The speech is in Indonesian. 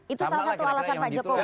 itu salah satu alasan pak jokowi